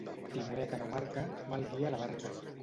Timoner que no marca, mal guia la barca.